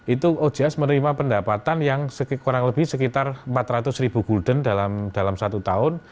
itu ojs menerima pendapatan yang kurang lebih sekitar empat ratus ribu gulden dalam satu tahun